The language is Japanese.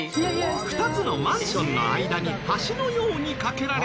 ２つのマンションの間に橋のように架けられた空中プール。